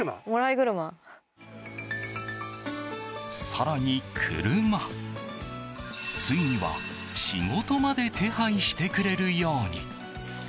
更に車、ついには仕事まで手配してくれるように。